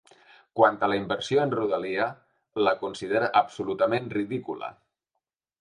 Quant a la inversió en rodalia, la considera absolutament ridícula.